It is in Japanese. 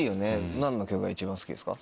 何の曲が一番好きですか？